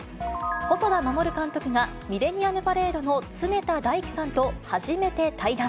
細田守監督がミレニアムパレードの常田大希さんと初めて対談。